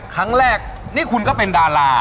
ครั้งแรกนี่คุณก็เป็นดารา